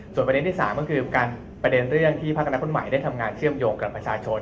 ประเด็นที่๓ก็คือประเด็นเรื่องที่พักอนาคตใหม่ได้ทำงานเชื่อมโยงกับประชาชน